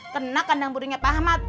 kena kandang burungnya pak ahmad